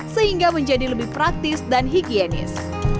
sehingga menjadi lebih praktis dan higienis